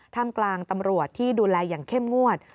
กลางตำรวจที่ดูแลอย่างเข้มงวด